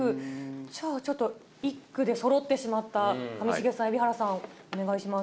じゃあ、ちょっと１区でそろってしまった上重さん、蛯原さん、お願いします。